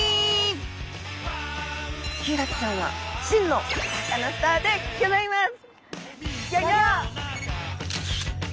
ヒイラギちゃんは真のサカナスターでギョざいます！